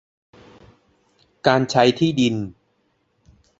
การใช้ที่ดิน